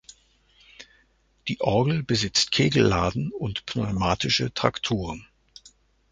Die Orgel besitzt Kegelladen und pneumatische Trakturen.